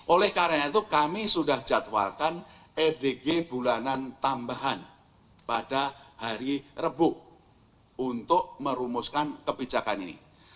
oleh karena itu kami sudah jadwalkan ebg bulanan tambahan pada hari rebuk untuk merumuskan kebijakan ini